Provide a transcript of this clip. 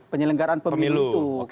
penyelenggaran pemilu itu